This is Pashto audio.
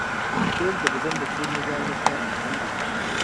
خوب د بدن د ټول نظام لپاره مهم دی